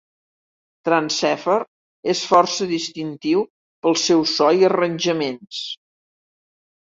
"Trancefer" és força distintiu pel seu so i arranjaments.